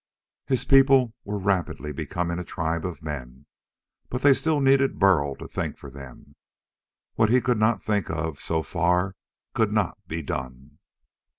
His people were rapidly becoming a tribe of men, but they still needed Burl to think for them. What he could not think out, so far, could not be done.